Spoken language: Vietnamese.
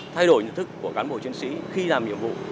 thay đổi nhận thức của cán bộ chiến sĩ khi làm nhiệm vụ